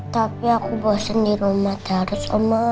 tapi aku bosen di rumah taris oma